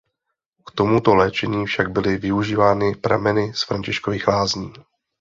K tomuto léčení však byly využívány prameny z Františkových Lázní.